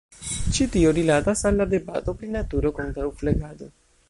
Ĉi tio rilatas al la debato pri naturo kontraŭ flegado.